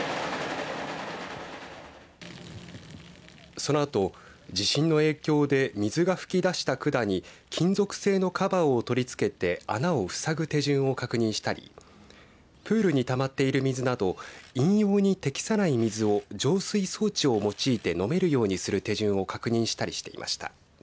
そのあと地震の影響で水が噴き出した管に金属製のカバーを取り付けて穴をふさぐ手順を確認したりプールに貯まっている水など飲用に適さない水を浄水装置を用いて飲めるようにする手順を確認したりしていました。